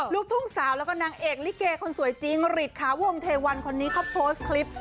ลูกทุ่งสาวแล้วก็นางเอกลิเกคนสวยจริงริดขาวงเทวันคนนี้เขาโพสต์คลิป